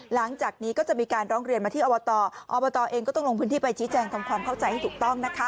หลังจากนี้ก็จะมีการร้องเรียนมาที่อบตอบตเองก็ต้องลงพื้นที่ไปชี้แจงทำความเข้าใจให้ถูกต้องนะคะ